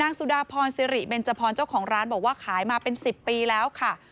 สุดาพรสิริเบนจพรเจ้าของร้านบอกว่าขายมาเป็น๑๐ปีแล้วค่ะ